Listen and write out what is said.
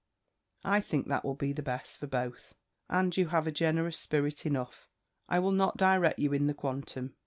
I think that will be the best for both. And you have a generous spirit enough: I will not direct you in the quantum.